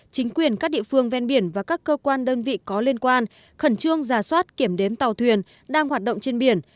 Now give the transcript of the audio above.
chính quyền các địa phương ven biển và các cơ quan đơn vị có liên quan khẩn trương giả soát kiểm đếm tàu thuyền đang hoạt động trên biển